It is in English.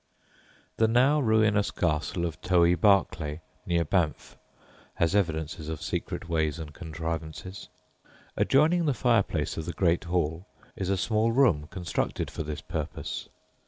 The now ruinous castle of Towie Barclay, near Banff, has evidences of secret ways and contrivances. Adjoining the fireplace of the great hall is a small room constructed for this purpose.